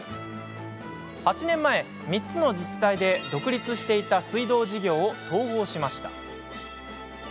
８年前、３つの自治体で独立していた水道事業を統合しました。